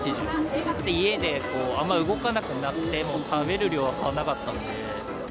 家であんまり動かなくなっても食べる量が変わらなかったので。